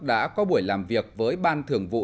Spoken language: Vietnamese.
đã có buổi làm việc với ban thường vụ